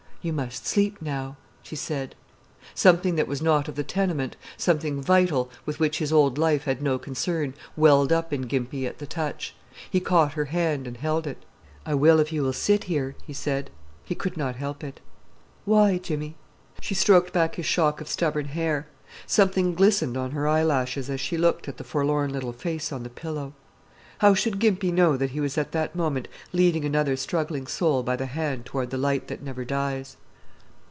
"You must sleep now," she said. Something that was not of the tenement, something vital, with which his old life had no concern, welled up in Gimpy at the touch. He caught her hand and held it. "I will if you will sit here," he said. He could not help it. "Why, Jimmy?" She stroked back his shock of stubborn hair. Something glistened on her eyelashes as she looked at the forlorn little face on the pillow. How should Gimpy know that he was at that moment leading another struggling soul by the hand toward the light that never dies?